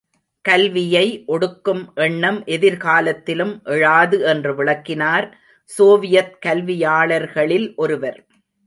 கல்வியை ஒடுக்கும் எண்னம் எதிர்காலத்திலும் எழாது என்று விளக்கினார், சோவியத் கல்வியாளர்களில் ஒருவர்.